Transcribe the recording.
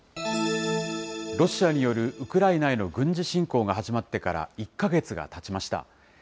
ロシアによるウクライナへの軍事侵攻が始まってから１か月がたちました。